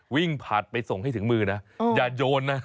ผัดไปส่งให้ถึงมือนะอย่าโยนนะ